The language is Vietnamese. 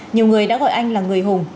nhiều người đã gọi anh là người hùng